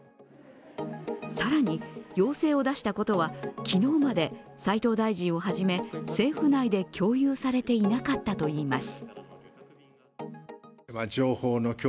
更に要請を出したことは、昨日まで斉藤大臣をはじめ政府内で共有されていなかったといいます。